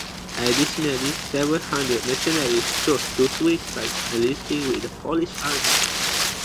Additionally, several hundred mercenaries chose to switch sides, enlisting with the Polish army.